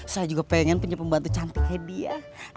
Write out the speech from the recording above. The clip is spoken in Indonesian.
saya juga pengen punya pembantu cantiknya dia